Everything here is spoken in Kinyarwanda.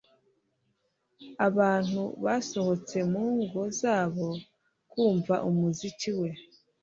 abantu basohotse mu ngo zabo kumva umuziki we